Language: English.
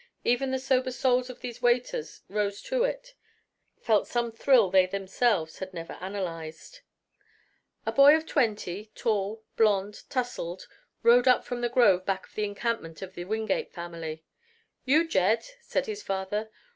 Even the sober souls of these waiters rose to it, felt some thrill they themselves had never analyzed. A boy of twenty, tall, blond, tousled, rode up from the grove back of the encampment of the Wingate family. "You, Jed?" said his father.